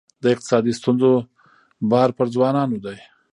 د اقتصادي ستونزو بار پر ځوانانو دی.